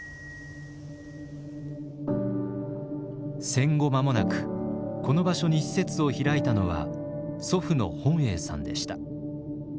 戦後間もなくこの場所に施設を開いたのは祖父の本英さんでした。